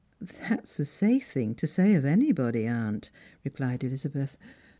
" That's a safe thing to say of anybody, aunt," rephed Ehza beth.